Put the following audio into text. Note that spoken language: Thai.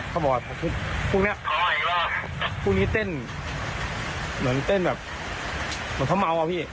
เขาบอกว่าพรุ่งนี้เต้นเหมือนเท่าเมาส์อ่ะพี่